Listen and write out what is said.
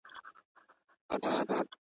پر هېزګاره وو سایه د پاک سبحان وو!